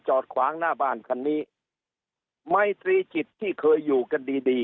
จอดขวางหน้าบ้านคันนี้ไมตรีจิตที่เคยอยู่กันดีดี